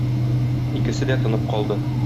Икесе дә тынып калды.